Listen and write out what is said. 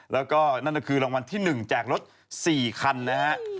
แล้วก็นั่นก็คือรางวัลที่๑แจกรถ๔คันนะฮะ